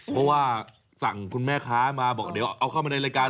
เพราะว่าสั่งคุณแม่ค้ามาบอกเดี๋ยวเอาเข้ามาในรายการ